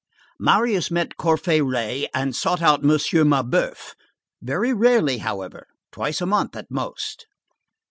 Marius met Courfeyrac and sought out M. Mabeuf. Very rarely, however; twice a month at most.